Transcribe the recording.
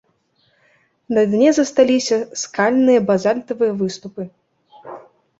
На дне засталіся скальныя базальтавыя выступы.